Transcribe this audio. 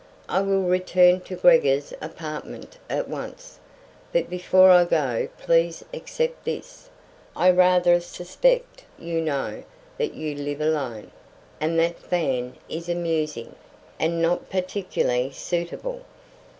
I will return to Gregor's apartment at once. But before I go please accept this. I rather suspect, you know, that you live alone, and that fan is amusing and not particularly suitable."